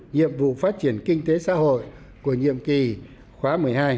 nhiệm vụ phát triển kinh tế xã hội của nhiệm kỳ khóa một mươi hai